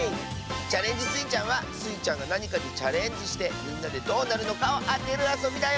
「チャレンジスイちゃん」はスイちゃんがなにかにチャレンジしてみんなでどうなるのかをあてるあそびだよ！